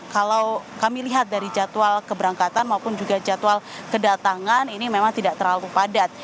kalau kami lihat dari jadwal keberangkatan maupun juga jadwal kedatangan ini memang tidak terlalu padat